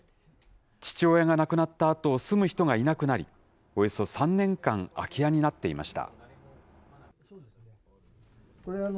父親が亡くなったあと、住む人がいなくなり、およそ３年間、空き家になっていました。